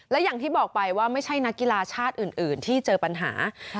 และอย่างที่บอกไปว่าไม่ใช่นักกีฬาชาติอื่นที่เจอปัญหา